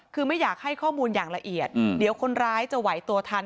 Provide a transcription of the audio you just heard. คือไม่อยากให้ข้อมูลอย่างละเอียดเดี๋ยวคนร้ายจะไหวตัวทัน